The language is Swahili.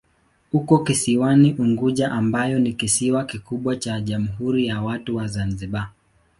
Uko kisiwani Unguja ambayo ni kisiwa kikubwa cha Jamhuri ya Watu wa Zanzibar.